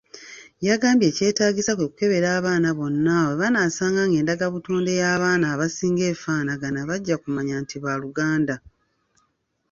Yagambye ekyetaagisa kwekukebera abaana bonna bwebanaasanga ng'endagabutonde y'abaana abasinga efaanagana bajja kumanya nti baaluganda.